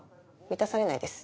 満たされないです。